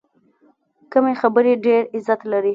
کمې خبرې، ډېر عزت لري.